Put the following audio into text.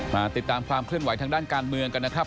มาติดตามความเคลื่อนไหวทางด้านการเมืองกันนะครับ